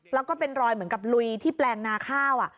แล้วก็เป็นรอยเหมือนกับลุยที่แปลงนาข้าว